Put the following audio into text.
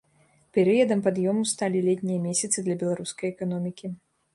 Перыядам пад'ёму сталі летнія месяцы для беларускай эканомікі.